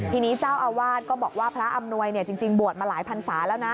ทีนี้เจ้าอาวาสก็บอกว่าพระอำนวยจริงบวชมาหลายพันศาแล้วนะ